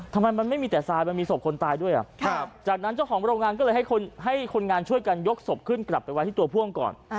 ทำไมมันไม่มีแต่ทรายมันมีศพคนตายด้วยจากนั้นเจ้าของโรงงานก็เลยให้คนงานช่วยกันยกศพขึ้นกลับไปไว้ที่ตัวพ่วงก่อน